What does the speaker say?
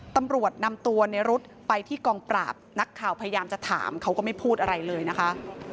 ตำรวจนำตัวในรุ๊ดไปที่กองปราบนักข่าวพยายามจะถามเขาก็ไม่พูดอะไรเลยนะคะ